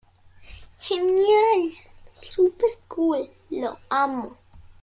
El Club León alcanzó su cuarto título, así como el Oro su tercer subcampeonato.